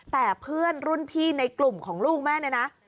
แต่เพื่อนรุ่นพี่ในกลุ่มของลูกแม่เนี่ยนะ